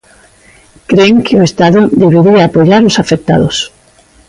Cren que o Estado debería apoiar os afectados.